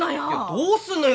どうすんのよ！？